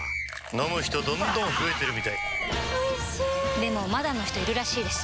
飲む人どんどん増えてるみたいおいしでもまだの人いるらしいですよ